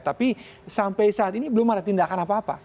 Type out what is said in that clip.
tapi sampai saat ini belum ada tindakan apa apa